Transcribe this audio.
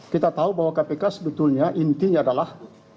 kita tahu bahwa kpk sebetulnya intinya adalah